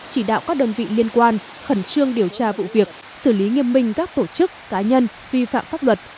chỉ đạo các đơn vị liên quan khẩn trương điều tra vụ việc xử lý nghiêm minh các tổ chức cá nhân vi phạm pháp luật